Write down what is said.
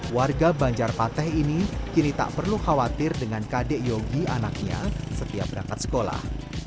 warga banjarapateh ini kini tak perlu khawatir dengan kade yogi anaknya setiap rapat sekolah